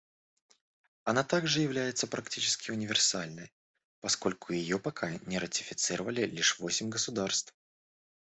Она также является практически универсальной, поскольку ее пока не ратифицировали лишь восемь государств.